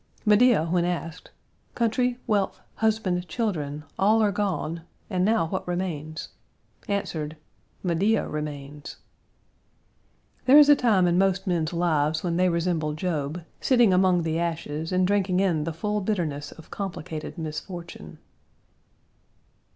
Medea, when asked: "Country, wealth, husband, children, all are gone; and now what remains?" answered: "Medea remains." "There is a time in most men's lives when they resemble Job, sitting among the ashes and drinking in the full bitterness of complicated misfortune."